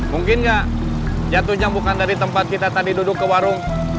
mungkin nggak jatuhnya bukan dari tempat kita tadi duduk ke warung